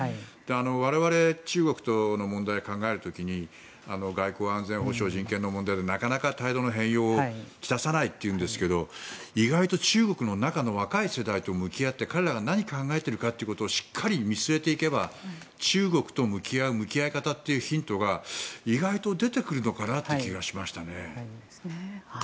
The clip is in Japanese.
我々、中国との問題を考える時に外交・安全保障人権の問題でなかなか態度の変容を来さないというんですが意外と中国の若い世代と向き合って彼らが何を考えているかしっかり見据えていけば中国と向き合う向き合い方のヒントというのが意外と出てくるのかなという気がしましたね。